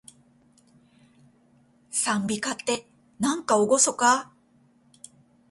讃美歌って、なんかおごそかー